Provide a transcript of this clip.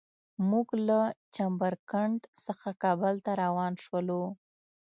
موږ له چمر کنډ څخه کابل ته روان شولو.